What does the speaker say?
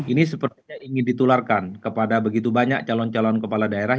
ini sepertinya ingin ditularkan kepada begitu banyak calon calon kepala daerah